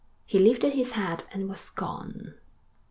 He lifted his hat and was gone.